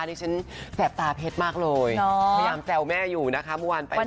นี่ฉันแสบตาเพชรมากเลยพยายามแซวแม่อยู่นะคะมือวันไปมาค่ะ